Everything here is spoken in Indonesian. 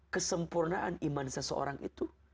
kesempurnaan iman seseorang itu